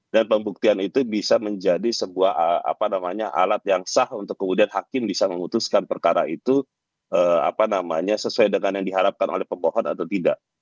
dan pembuktian itu bisa menjadi sebuah alat yang sah untuk kemudian hakim bisa memutuskan perkara itu sesuai dengan yang diharapkan oleh pembohon atau tidak